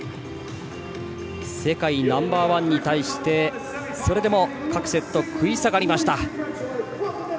世界ナンバーワンに対してそれでも、各セット食い下がりました。